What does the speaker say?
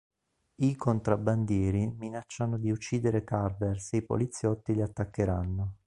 I contrabbandieri minacciano di uccidere Carver se i poliziotti li attaccheranno.